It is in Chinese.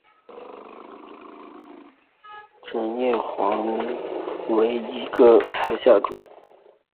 戟叶黄鹌菜为菊科黄鹌菜属下的一个种。